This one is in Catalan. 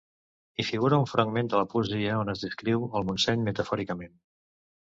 Hi figura un fragment de la poesia on es descriu el Montseny metafòricament.